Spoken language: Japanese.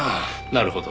なるほど。